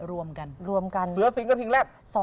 รวมกันสเวอร์สิงค์กระถิ่งแรก